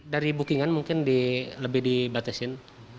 dari bookingan mungkin lebih dibatasin